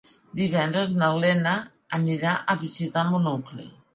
Divendres na Lena anirà a visitar mon oncle.